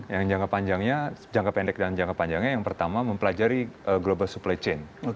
yang jangka panjangnya jangka pendek dan jangka panjangnya yang pertama mempelajari global supply chain